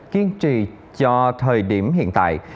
kiên trì cho thời điểm hiện tại